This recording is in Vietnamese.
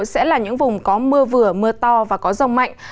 sẽ là những vùng có mưa vừa mưa to và có rông mạnh